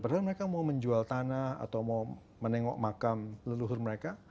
padahal mereka mau menjual tanah atau mau menengok makam leluhur mereka